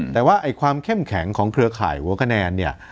แต่ว่าความเข้มแข็งของเครือข่ายหัวคะแนนเนี่ย